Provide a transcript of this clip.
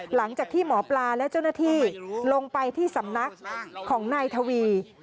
หลังจากที่หมอปลาและเจ้าหน้าที่ลงไปที่สำนักของนายทวี